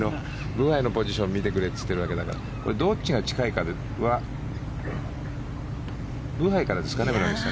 ブハイのポジションを見てくれって言っているだけだからこれ、どっちが近いかはブハイからですかね？